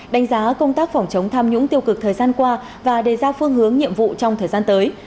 đánh giá công tác phòng chống tham nhũng tiêu cực thời gian qua và đề ra phương hướng nhiệm vụ trong thời gian tới